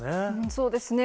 そうですね。